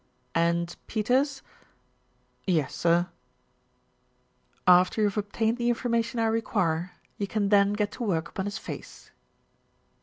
"And, Peters." "Yes, sir." "After you have obtained the information I require,, you can then get to work upon his face."